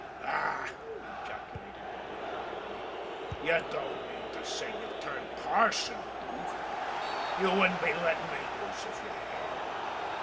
"Eh!" ejaculated the Butcher heavily. "You don't mean to say you've turned parson, Dook? You wouldn't be lettin' me loose if you had."